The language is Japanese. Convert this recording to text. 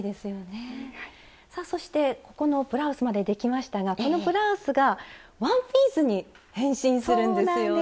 そしてここのブラウスまでできましたがこのブラウスがワンピースに変身するんですよね。